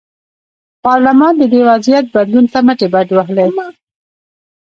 پارلمان د دې وضعیت بدلون ته مټې بډ وهلې.